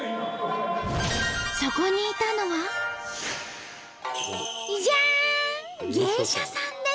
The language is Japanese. そこにいたのはじゃん！